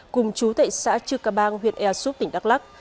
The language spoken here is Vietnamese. cùng chú tại xã chư cà bang huyện ea xuất tỉnh đắk lắc